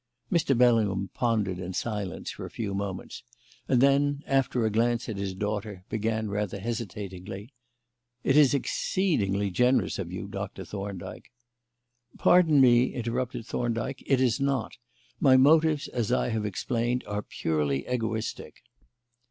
Mr. Bellingham pondered in silence for a few moments, and then, after a glance at his daughter, began rather hesitatingly: "It is exceedingly generous of you, Doctor Thorndyke " "Pardon me," interrupted Thorndyke, "it is not. My motives, as I have explained, are purely egoistic."